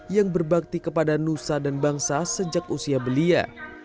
yang berbakti kepada nusa dan bangsa sejak usia belia